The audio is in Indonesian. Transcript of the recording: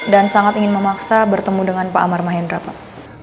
dan sangat ingin memaksa bertemu dengan pak amar mahendra pak